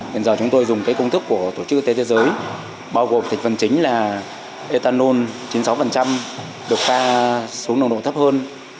bây giờ chúng tôi dùng công thức của tổ chức tế thế giới bao gồm thịt phần chính là etanol chín mươi sáu được pha xuống nồng độ thấp hơn